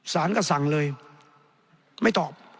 สารก็สั่งเลยไม่ตอบ